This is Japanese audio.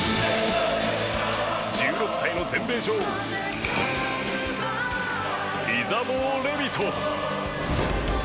１６歳の全米女王イザボー・レビト。